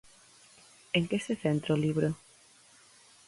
En que se centra o libro?